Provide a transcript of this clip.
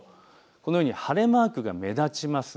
このように晴れマークが目立ちます。